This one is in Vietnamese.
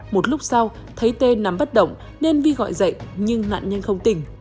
một lúc sau thấy tê nắm bắt động nên vi gọi dậy nhưng nạn nhân không tỉnh